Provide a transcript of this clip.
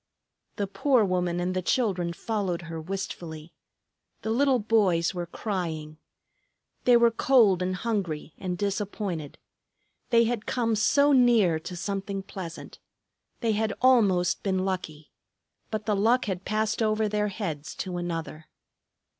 The poor woman and the children followed her wistfully. The little boys were crying. They were cold and hungry and disappointed. They had come so near to something pleasant. They had almost been lucky; but the luck had passed over their heads to another.